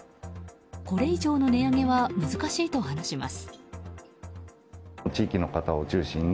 これ以上の値上げは難しいと話します。